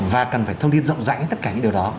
và cần phải thông tin rộng rãi tất cả những điều đó